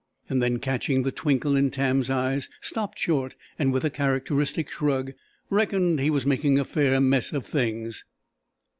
and then catching the twinkle in Tam's eyes, stopped short, and with a characteristic shrug "reckoned he was making a fair mess of things."